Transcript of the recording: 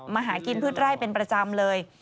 มาหากินพืชไร่เป็นประจำเลย